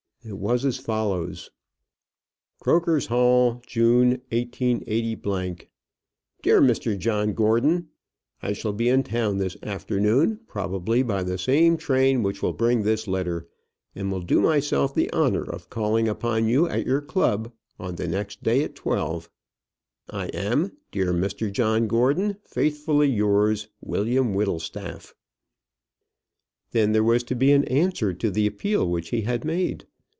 It was as follows: CROKER'S HALL, June 188 . DEAR MR JOHN GORDON, I shall be in town this afternoon, probably by the same train which will bring this letter, and will do myself the honour of calling upon you at your club the next day at twelve. I am, dear Mr John Gordon, faithfully yours, WILLIAM WHITTLESTAFF. Then there was to be an answer to the appeal which he had made.